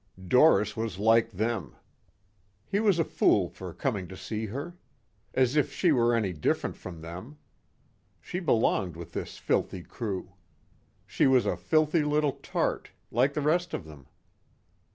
Doris was like them. He was a fool for coming to see her. As if she were any different from them. She belonged with this filthy crew. She was a filthy little tart like the rest of them.